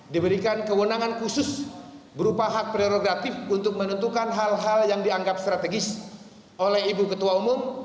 diberikan kewenangan khusus berupa hak prerogatif untuk menentukan hal hal yang dianggap strategis oleh ibu ketua umum